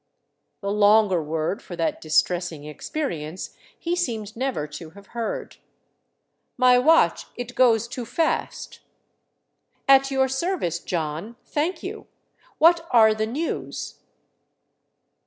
The longer word for that dis tressing experience he seemed never to have heard. " My watch it goes too fast." " At your service, John, thank you. What are the news